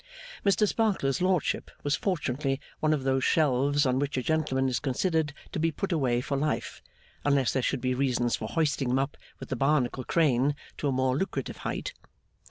Mr Sparkler's lordship was fortunately one of those shelves on which a gentleman is considered to be put away for life, unless there should be reasons for hoisting him up with the Barnacle crane to a more lucrative height.